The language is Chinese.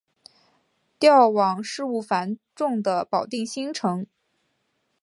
调往事务繁重的保定新城。